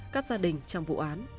các gia đình trong vụ án